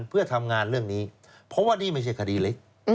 เพื่อทำงานเรื่องนี้เพราะว่านี่ไม่ใช่คดีเล็ก